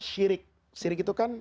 syirik syirik itu kan